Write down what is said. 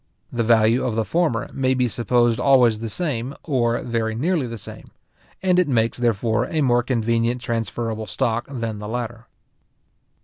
The value of the former may be supposed always the same, or very nearly the same; and it makes, therefore, a more convenient transferable stock than the latter.